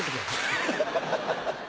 ハッハハハ。